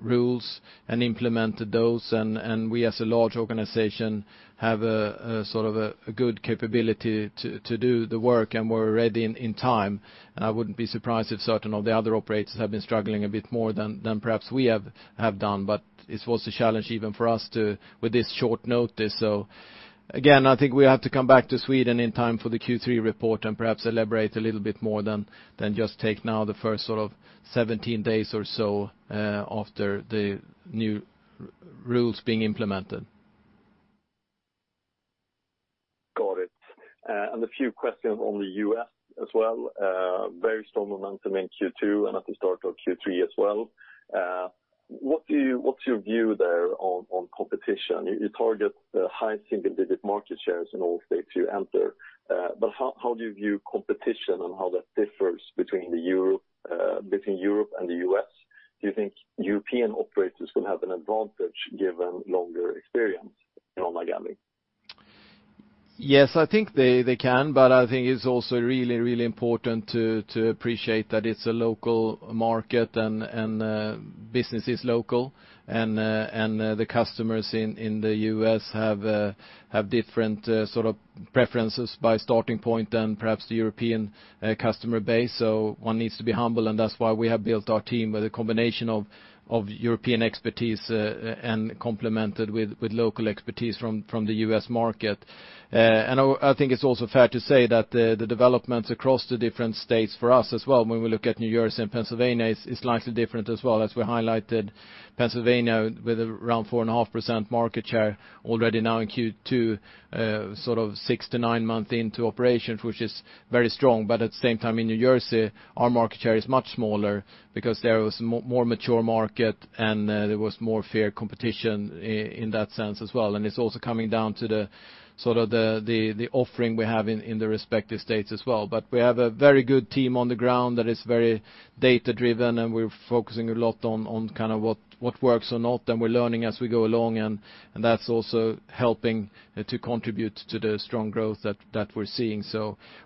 rules and implemented those, and we as a large organization have a good capability to do the work, and we're ready in time. I wouldn't be surprised if certain of the other operators have been struggling a bit more than perhaps we have done. It was a challenge even for us with this short notice. Again, I think we have to come back to Sweden in time for the Q3 report and perhaps elaborate a little bit more than just take now the first sort of 17 days or so after the new rules being implemented. Got it. A few questions on the U.S. as well. Very strong momentum in Q2 and at the start of Q3 as well. What's your view there on competition? You target high single-digit market shares in all states you enter. How do you view competition and how that differs between Europe and the U.S.? Do you think European operators will have an advantage given longer experience in online gambling? Yes, I think they can. I think it's also really, really important to appreciate that it's a local market and business is local, and the customers in the U.S. have different sort of preferences by starting point than perhaps the European customer base. One needs to be humble, and that's why we have built our team with a combination of European expertise and complemented with local expertise from the U.S. market. I think it's also fair to say that the developments across the different states for us as well, when we look at New Jersey and Pennsylvania, is slightly different as well. As we highlighted, Pennsylvania with around 4.5% market share already now in Q2, sort of six to nine months into operations, which is very strong. At the same time, in New Jersey, our market share is much smaller because there was a more mature market and there was fairer competition in that sense as well. It's also coming down to the offering we have in the respective states as well. We have a very good team on the ground that is very data-driven, and we're focusing a lot on what works or not, and we're learning as we go along, and that's also helping to contribute to the strong growth that we're seeing.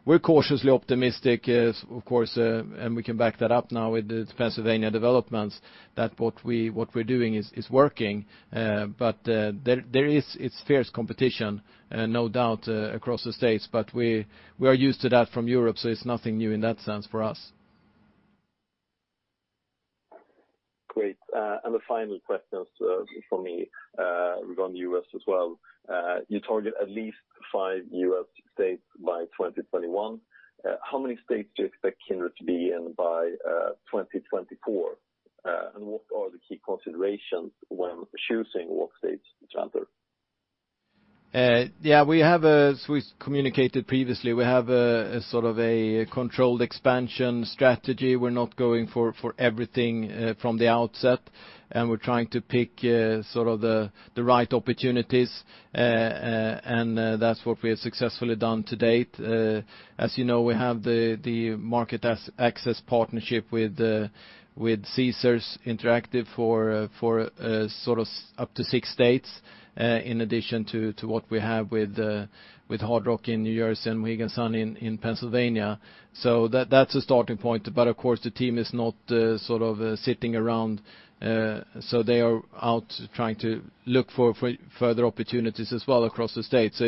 We're cautiously optimistic, of course, and we can back that up now with the Pennsylvania developments that what we're doing is working. It's fierce competition, no doubt, across the States, but we are used to that from Europe, so it's nothing new in that sense for us. Great. The final question from me regarding the U.S. as well. You target at least five U.S. states by 2021. How many states do you expect Kindred to be in by 2024? What are the key considerations when choosing what states to enter? Yeah. As we communicated previously, we have a controlled expansion strategy. We're not going for everything from the outset, and we're trying to pick the right opportunities, and that's what we have successfully done to date. As you know, we have the market access partnership with Caesars Interactive for up to six states, in addition to what we have with Hard Rock in New Jersey and Mohegan Sun in Pennsylvania. That's a starting point. Of course, the team is not sitting around. They are out trying to look for further opportunities as well across the states.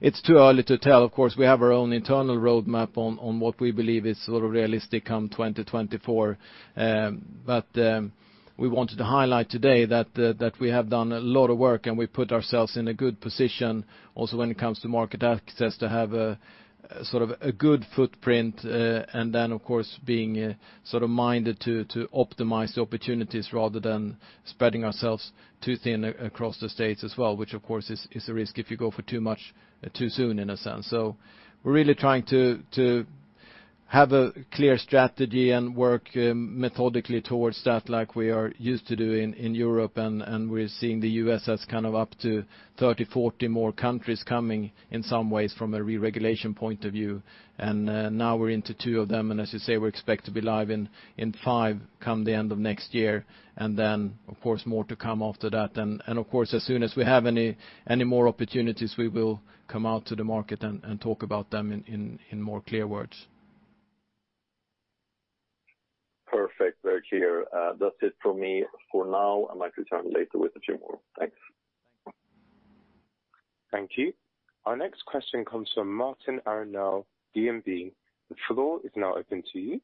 It's too early to tell. Of course, we have our own internal roadmap on what we believe is realistic come 2024. We wanted to highlight today that we have done a lot of work, and we put ourselves in a good position also when it comes to market access to have a good footprint, and then, of course, being minded to optimize the opportunities rather than spreading ourselves too thin across the States as well, which, of course, is a risk if you go for too much, too soon, in a sense. We're really trying to have a clear strategy and work methodically towards that like we are used to do in Europe, and we're seeing the U.S. as up to 30, 40 more countries coming in some ways from a re-regulation point of view. Now we're into two of them, and as you say, we expect to be live in five come the end of next year, and then, of course, more to come after that. Of course, as soon as we have any more opportunities, we will come out to the market and talk about them in more clear words. Perfect. Very clear. That's it from me for now. I might return later with a few more. Thanks. Thank you. Our next question comes from Martin Arnell, DNB. The floor is now open to you.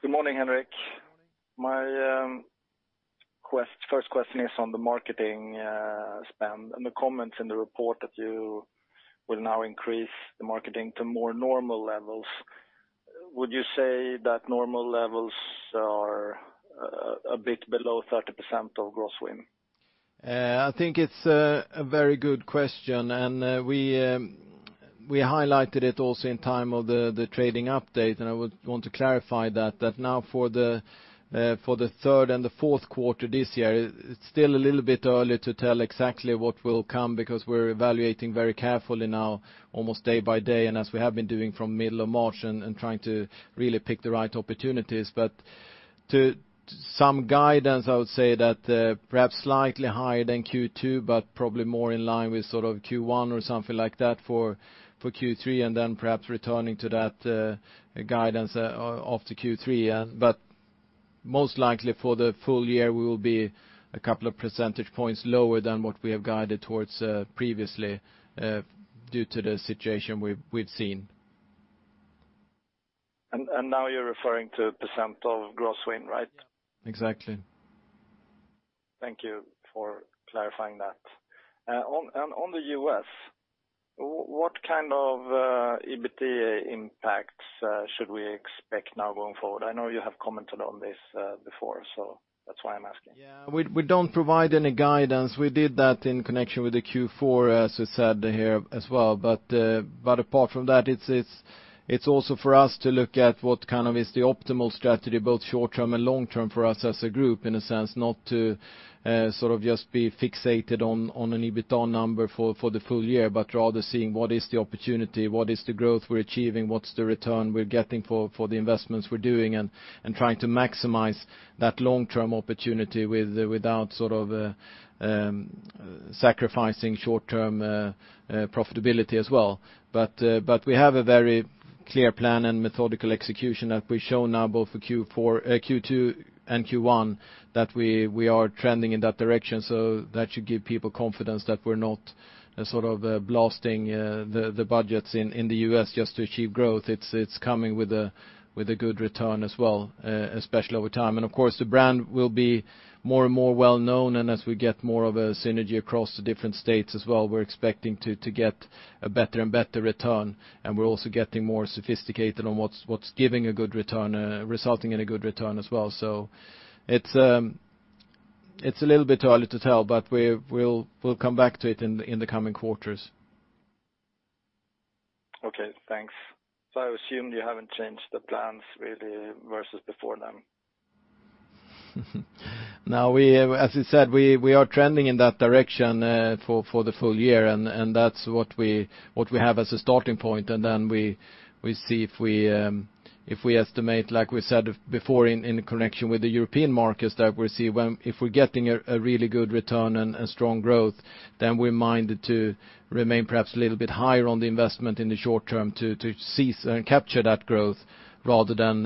Good morning, Henrik. My first question is on the marketing spend and the comments in the report that you will now increase the marketing to more normal levels. Would you say that normal levels are a bit below 30% of gross win? I think it's a very good question, and we highlighted it also in time of the trading update, and I would want to clarify that now for the third and the fourth quarter this year, it's still a little bit early to tell exactly what will come because we're evaluating very carefully now, almost day-by-day, and as we have been doing from middle of March, and trying to really pick the right opportunities. To some guidance, I would say that perhaps slightly higher than Q2, but probably more in line with Q1 or something like that for Q3, and then perhaps returning to that guidance after Q3. Most likely for the full-year, we will be a couple of percentage points lower than what we have guided towards previously, due to the situation we've seen. Now you're referring to percentage of gross win, right? Exactly. Thank you for clarifying that. On the U.S., what kind of EBITDA impacts should we expect now going forward? I know you have commented on this before, so that's why I'm asking. Yeah. We don't provide any guidance. We did that in connection with the Q4, as we said here as well. Apart from that, it's also for us to look at what is the optimal strategy, both short-term and long-term, for us as a group, in a sense, not to just be fixated on an EBITDA number for the full-year, but rather seeing what is the opportunity, what is the growth we're achieving, what's the return we're getting for the investments we're doing, and trying to maximize that long-term opportunity without sacrificing short-term profitability as well. We have a very clear plan and methodical execution that we've shown now both for Q2 and Q1 that we are trending in that direction. That should give people confidence that we're not blasting the budgets in the U.S. just to achieve growth. It's coming with a good return as well, especially over time. Of course, the brand will be more and more well-known, and as we get more of a synergy across the different states as well, we're expecting to get a better and better return, and we're also getting more sophisticated on what's resulting in a good return as well. It's a little bit early to tell, but we'll come back to it in the coming quarters. Okay, thanks. I assume you haven't changed the plans really versus before then? No. As we said, we are trending in that direction for the full-year, and that's what we have as a starting point. We see if we estimate, like we said before, in connection with the European markets, that if we're getting a really good return and strong growth, then we're minded to remain perhaps a little bit higher on the investment in the short term to seize and capture that growth rather than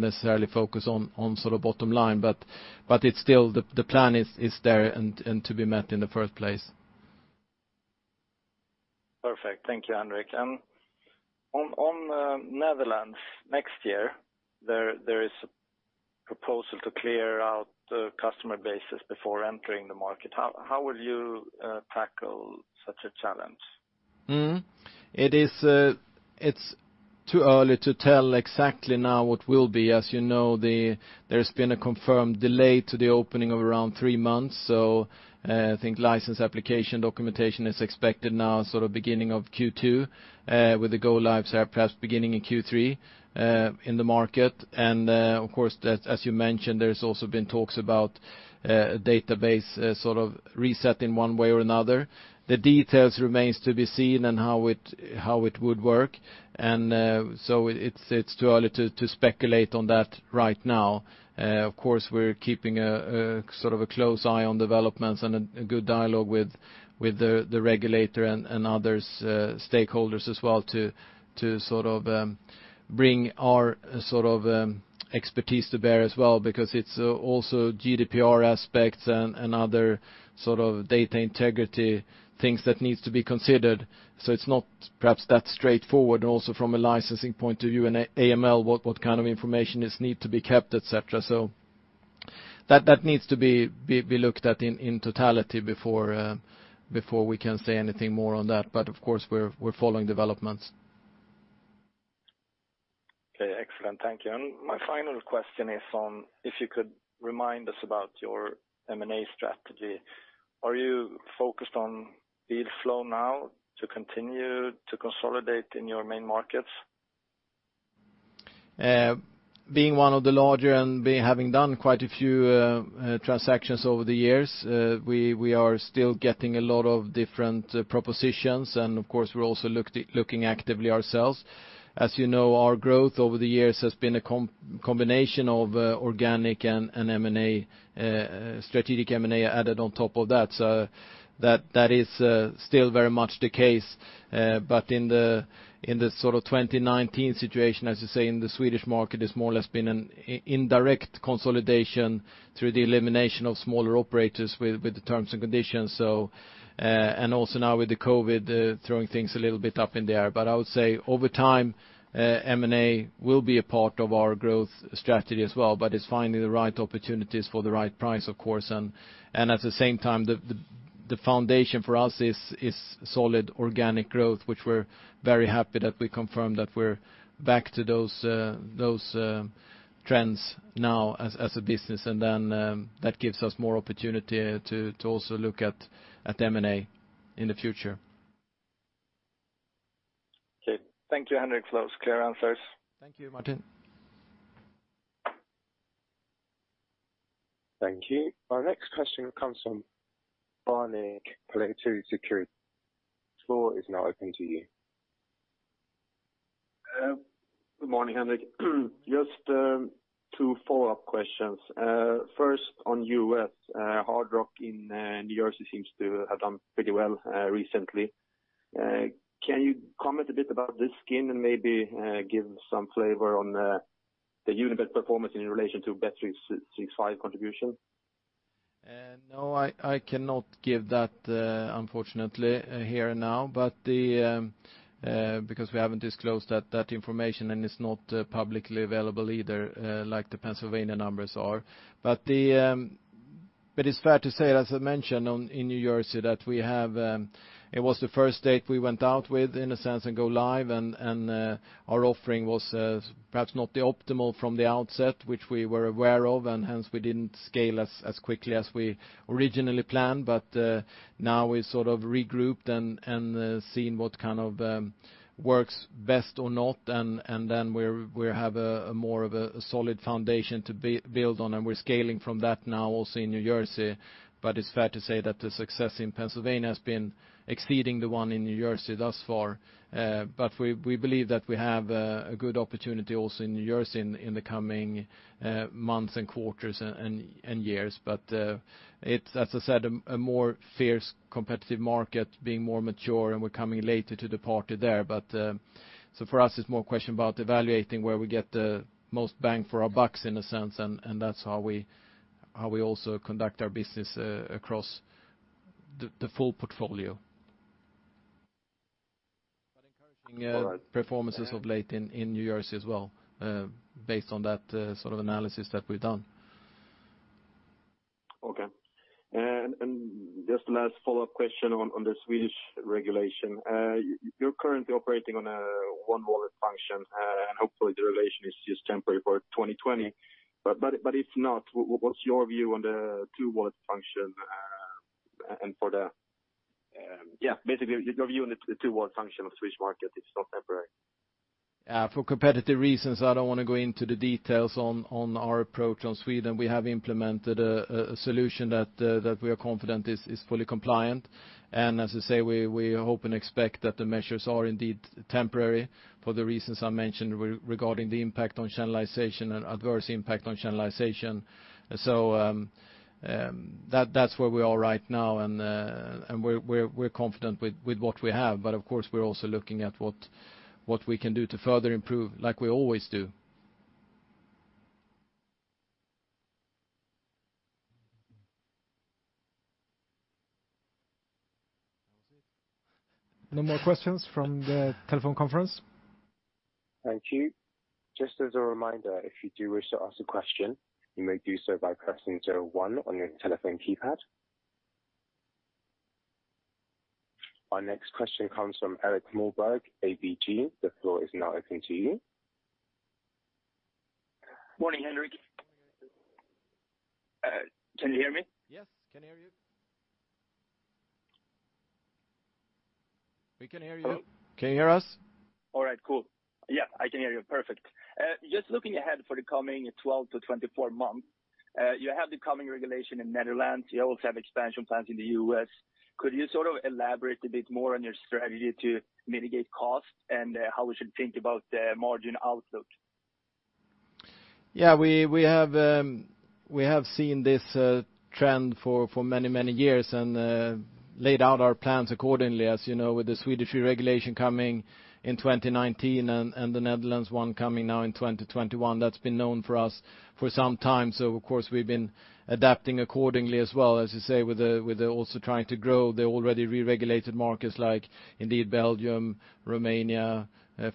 necessarily focus on bottom line. The plan is there and to be met in the first place. Perfect. Thank you, Henrik. On Netherlands next year, there is a proposal to clear out the customer bases before entering the market. How will you tackle such a challenge? It's too early to tell exactly now what will be. As you know, there's been a confirmed delay to the opening of around three months. I think license application documentation is expected now beginning of Q2, with the go lives perhaps beginning in Q3 in the market. Of course, as you mentioned, there's also been talks about a database reset in one way or another. The details remains to be seen on how it would work. It's too early to speculate on that right now. Of course, we're keeping a close eye on developments and a good dialogue with the regulator and other stakeholders as well to bring our expertise to bear as well because it's also GDPR aspects and other data integrity things that needs to be considered. It's not perhaps that straightforward, and also from a licensing point of view and AML, what kind of information is need to be kept, et cetera. That needs to be looked at in totality before we can say anything more on that. Of course, we're following developments. Okay. Excellent. Thank you. My final question is on if you could remind us about your M&A strategy. Are you focused on deal flow now to continue to consolidate in your main markets? Being one of the larger and having done quite a few transactions over the years, we are still getting a lot of different propositions, and of course, we're also looking actively ourselves. As you know, our growth over the years has been a combination of organic and strategic M&A added on top of that. That is still very much the case. In the 2019 situation, as you say, in the Swedish market, it's more or less been an indirect consolidation through the elimination of smaller operators with the terms and conditions. Also now with the COVID-19 throwing things a little bit up in the air. I would say over time, M&A will be a part of our growth strategy as well, but it's finding the right opportunities for the right price, of course. At the same time, the foundation for us is solid organic growth, which we're very happy that we confirmed that we're back to those trends now as a business. That gives us more opportunity to also look at M&A in the future. Okay. Thank you, Henrik. Those were clear answers. Thank you, Martin. Thank you. Our next question comes from Barnick Pareto Securities. The floor is now open to you. Good morning, Henrik. Just two follow-up questions. First, on U.S., Hard Rock in New Jersey seems to have done pretty well recently. Can you comment a bit about this skin and maybe give some flavor on the Unibet performance in relation to bet365 contribution? No, I cannot give that unfortunately here now, because we haven't disclosed that information, and it's not publicly available either, like the Pennsylvania numbers are. It's fair to say, as I mentioned, in New Jersey, that it was the first state we went out with, in a sense, and go live, and our offering was perhaps not the optimal from the outset, which we were aware of, and hence we didn't scale as quickly as we originally planned. Now we sort of regrouped and seen what kind of works best or not, and then we have a more of a solid foundation to build on, and we're scaling from that now also in New Jersey. It's fair to say that the success in Pennsylvania has been exceeding the one in New Jersey thus far. We believe that we have a good opportunity also in New Jersey in the coming months and quarters and years. It's, as I said, a more fierce competitive market being more mature, and we're coming later to the party there. For us, it's more question about evaluating where we get the most bang for our bucks, in a sense, and that's how we also conduct our business across the full portfolio. All right. Performances of late in New Jersey as well, based on that sort of analysis that we've done. Okay. Just last follow-up question on the Swedish regulation. You're currently operating on a one wallet function, and hopefully the regulation is just temporary for 2020. If not, what's your view on the two wallet function, basically your view on the two wallet function of Swedish market if it's not temporary? For competitive reasons, I don't want to go into the details on our approach on Sweden. We have implemented a solution that we are confident is fully compliant. As I say, we hope and expect that the measures are indeed temporary for the reasons I mentioned regarding the impact on channelization and adverse impact on channelization. That's where we are right now, and we're confident with what we have. Of course, we're also looking at what we can do to further improve like we always do. No more questions from the telephone conference? Thank you. Just as a reminder, if you do wish to ask a question, you may do so by pressing 01 on your telephone keypad. Our next question comes from Erik Moberg, ABG. The floor is now open to you. Morning, Henrik. Can you hear me? Yes, can hear you. We can hear you. Can you hear us? All right, cool. Yeah, I can hear you perfect. Just looking ahead for the coming 12-24 months, you have the coming regulation in Netherlands. You also have expansion plans in the U.S. Could you elaborate a bit more on your strategy to mitigate costs and how we should think about the margin outlook? Yeah, we have seen this trend for many, many years and laid out our plans accordingly, as you know, with the Swedish regulation coming in 2019 and the Netherlands one coming now in 2021. That's been known for us for some time. Of course, we've been adapting accordingly as well, as you say, with the also trying to grow the already re-regulated markets like indeed Belgium, Romania,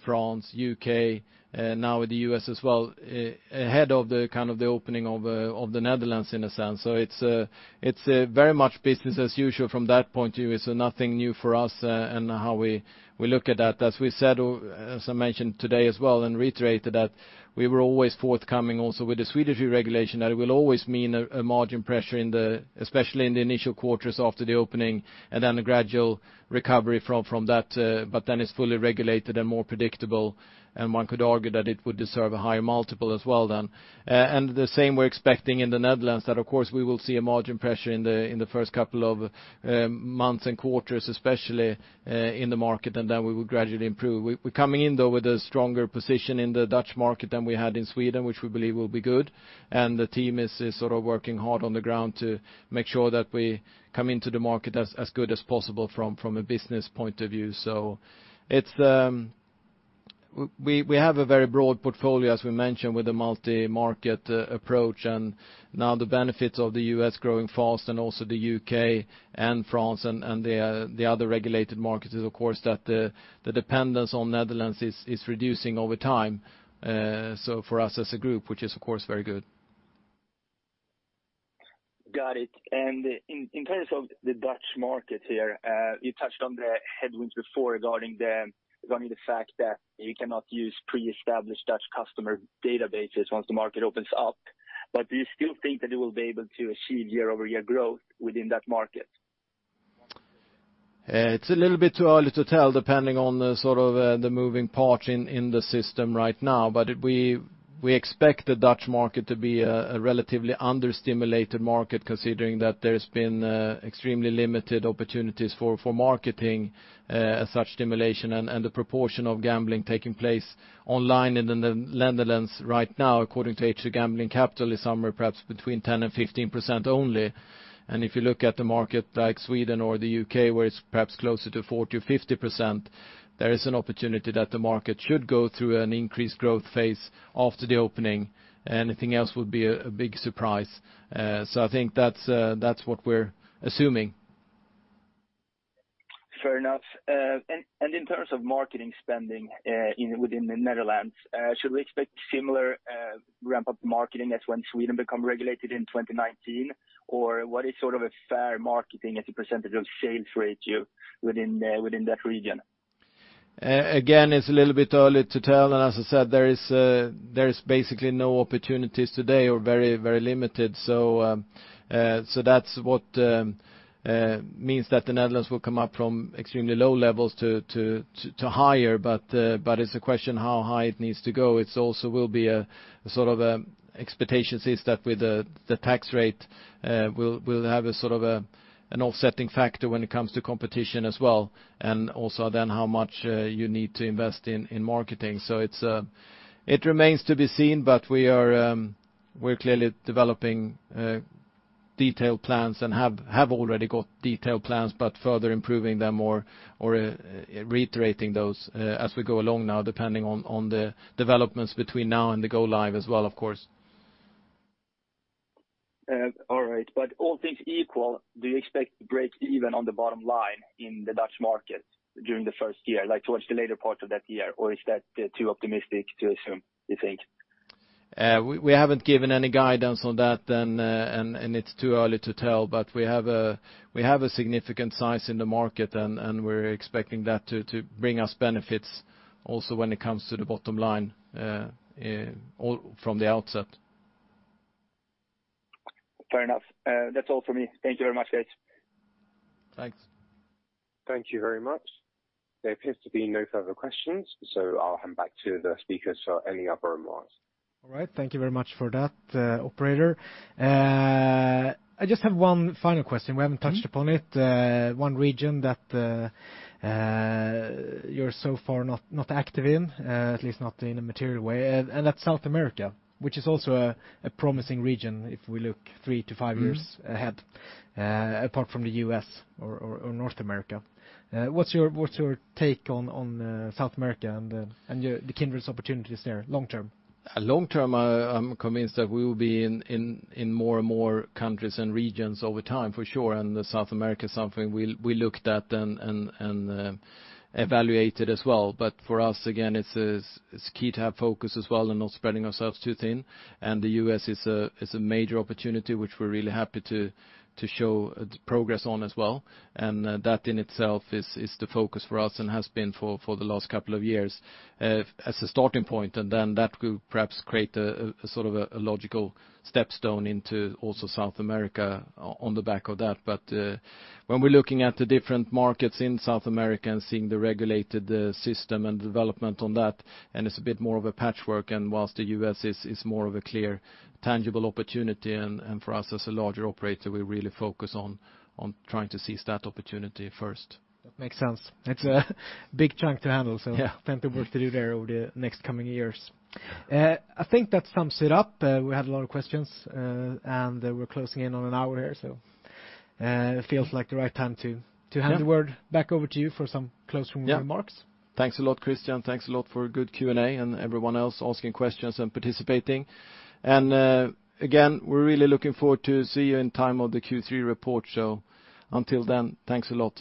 France, U.K., now with the U.S. as well, ahead of the opening of the Netherlands in a sense. It's very much business as usual from that point of view. It's nothing new for us and how we look at that. As I mentioned today as well, and reiterated that we were always forthcoming also with the Swedish regulation, that it will always mean a margin pressure, especially in the initial quarters after the opening, and then a gradual recovery from that. It's fully regulated and more predictable, and one could argue that it would deserve a higher multiple as well then. The same we're expecting in the Netherlands that, of course, we will see a margin pressure in the first couple of months and quarters, especially, in the market, and then we will gradually improve. We're coming in, though, with a stronger position in the Dutch market than we had in Sweden, which we believe will be good, and the team is working hard on the ground to make sure that we come into the market as good as possible from a business point of view. We have a very broad portfolio, as we mentioned, with the multi-market approach, and now the benefits of the U.S. growing fast and also the U.K. and France and the other regulated markets is, of course, that the dependence on Netherlands is reducing over time. For us as a group, which is of course very good. Got it. In terms of the Dutch market here, you touched on the headwinds before regarding the fact that you cannot use pre-established Dutch customer databases once the market opens up. Do you still think that you will be able to achieve year-over-year growth within that market? It's a little bit too early to tell, depending on the moving part in the system right now. We expect the Dutch market to be a relatively under-stimulated market, considering that there's been extremely limited opportunities for marketing as such stimulation, and the proportion of gambling taking place online in the Netherlands right now, according to H2 Gambling Capital, is somewhere perhaps between 10% and 15% only. If you look at the market like Sweden or the U.K., where it's perhaps closer to 40% or 50%, there is an opportunity that the market should go through an increased growth phase after the opening. Anything else would be a big surprise. I think that's what we're assuming. Fair enough. In terms of marketing spending within the Netherlands, should we expect similar ramp-up marketing as when Sweden become regulated in 2019? What is sort of a fair marketing as a percentage of sales ratio within that region? It's a little bit early to tell, and as I said, there is basically no opportunities today or very, very limited. That's what means that the Netherlands will come up from extremely low levels to higher, but it's a question how high it needs to go. It also will be sort of expectations is that with the tax rate will have a sort of an offsetting factor when it comes to competition as well, and also then how much you need to invest in marketing. It remains to be seen, but we're clearly developing detailed plans and have already got detailed plans, but further improving them or reiterating those as we go along now, depending on the developments between now and the go live as well, of course. All right. All things equal, do you expect to break even on the bottom line in the Dutch market during the first year, like towards the later part of that year? Is that too optimistic to assume, you think? We haven't given any guidance on that, and it's too early to tell. We have a significant size in the market, and we're expecting that to bring us benefits also when it comes to the bottom line from the outset. Fair enough. That's all for me. Thank you very much, guys. Thanks. Thank you very much. There appears to be no further questions. I'll hand back to the speakers for any other remarks. All right. Thank you very much for that, operator. I just have one final question. We haven't touched upon it. One region that you're so far not active in, at least not in a material way, and that's South America, which is also a promising region if we look three to five years ahead, apart from the U.S. or North America. What's your take on South America and the Kindred's opportunities there long-term? Long term, I'm convinced that we will be in more and more countries and regions over time, for sure. South America is something we looked at and evaluated as well. For us, again, it's key to have focus as well and not spreading ourselves too thin. The U.S. is a major opportunity which we're really happy to show progress on as well. That in itself is the focus for us and has been for the last couple of years as a starting point. That will perhaps create a sort of a logical stepstone into also South America on the back of that. When we're looking at the different markets in South America and seeing the regulated system and development on that, it's a bit more of a patchwork, whilst the U.S. is more of a clear, tangible opportunity, for us as a larger operator, we really focus on trying to seize that opportunity first. That makes sense. It's a big chunk to handle. Yeah plenty of work to do there over the next coming years. I think that sums it up. We had a lot of questions. We're closing in on an hour here, so it feels like the right time to hand the word back over to you for some closing remarks. Yeah. Thanks a lot, Christian. Thanks a lot for a good Q&A, and everyone else asking questions and participating. Again, we're really looking forward to see you in time of the Q3 report. Until then, thanks a lot